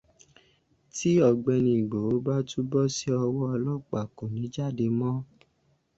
Tí Ọ̀gbẹ́ni Ìgbòho bá tún bọ́ sí ọwọ́ ọlọ́pàá, kò ní jáde mọ́